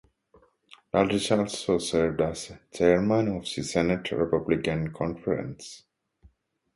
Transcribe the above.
Aldrich also served as chairman of the Senate Republican Conference.